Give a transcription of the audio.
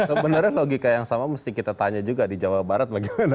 sebenarnya logika yang sama mesti kita tanya juga di jawa barat bagaimana